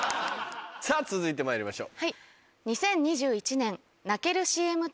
さぁ続いてまいりましょう。